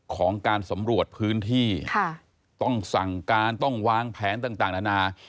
ของการสำรวจพื้นที่ต้องสั่งการต้องวางแผนต่างนานา